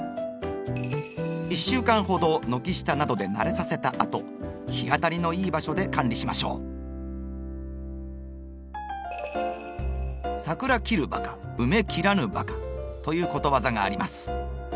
１週間ほど軒下などで慣れさせたあと日当たりの良い場所で管理しましょう。ということわざがあります。